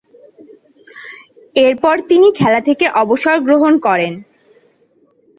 এরপর তিনি খেলা থেকে অবসর গ্রহণ করেন।